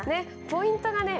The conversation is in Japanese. ポイントがね